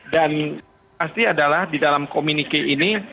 dan pasti adalah di dalam komunike ini